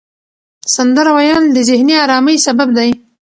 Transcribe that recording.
سندره ویل د ذهني آرامۍ سبب دی.